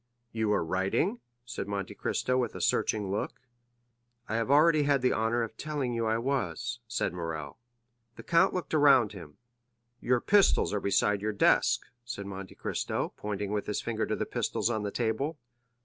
"You were writing?" said Monte Cristo with a searching look. "I have already had the honor of telling you I was," said Morrel. The count looked around him. "Your pistols are beside your desk," said Monte Cristo, pointing with his finger to the pistols on the table.